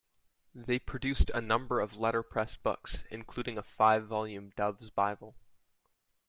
They produced a number of letterpress books, including a five-volume Doves Bible.